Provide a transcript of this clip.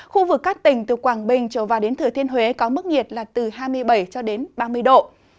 khu vực các tỉnh từ quảng bình trở vào đến thừa thiên huế có mức nhiệt là từ hai mươi bảy cho đến ba mươi độ